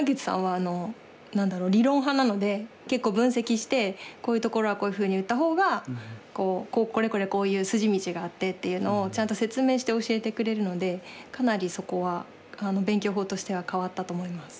結構分析してこういうところはこういうふうに打った方がこれこれこういう筋道があってっていうのをちゃんと説明して教えてくれるのでかなりそこは勉強法としては変わったと思います。